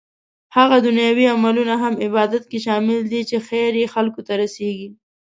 هغه دنيوي عملونه هم عبادت کې شامل دي چې خير يې خلکو ته رسيږي